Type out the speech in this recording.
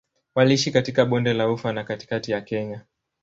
Waliishi katika Bonde la Ufa na katikati ya Kenya.